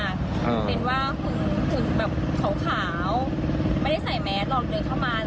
เป็นว่าฝึกแบบขาวไม่ได้ใส่แมสลองเดินเข้ามา